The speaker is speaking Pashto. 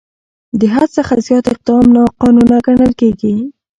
د حد څخه زیات اقدام ناقانونه ګڼل کېږي.